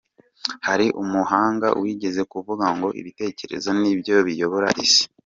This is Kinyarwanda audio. Hari umuhanga wigeze kuvuga ngo ibitekerezo ni byo biyobora isi.